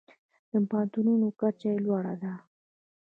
د پوهنتونونو کچه یې لوړه ده.